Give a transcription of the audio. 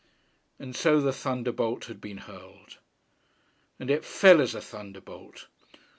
And so the thunderbolt had been hurled. And it fell as a thunderbolt.